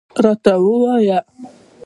راته ووایه.